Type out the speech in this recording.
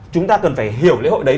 chúng ta cần phải hiểu lễ hội đấy